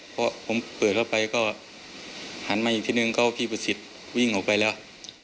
เพราะผมเปิดเข้าไปก็หันมาอีกทีนึงก็พี่ประสิทธิ์วิ่งออกไปแล้ว